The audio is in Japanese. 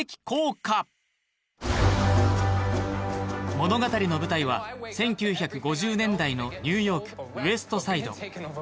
物語の舞台は１９５０年代のニューヨークウエスト・サイド